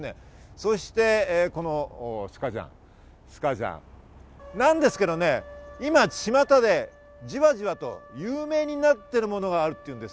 そして、このスカジャンなんですけど、今ちまたでじわじわと有名になっているものがあるというんです。